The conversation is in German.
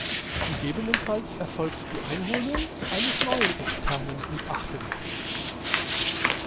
Gegebenenfalls erfolgt die Einholung eines neuen externen Gutachtens.